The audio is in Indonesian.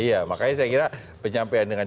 iya makanya saya kira penyampaian dengan